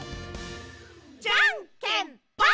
じゃんけんぽん！